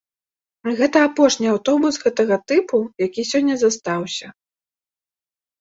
Гэта апошні аўтобус гэтага тыпу, які сёння застаўся.